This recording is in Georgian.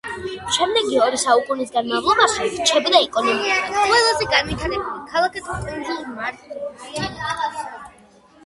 შემდეგი ორი საუკუნის განმავლობაში რჩებოდა ეკონომიკურად ყველაზე განვითარებულ ქალაქად კუნძულ მარტინიკაზე.